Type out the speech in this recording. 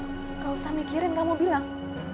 tidak usah mikirin kamu bilang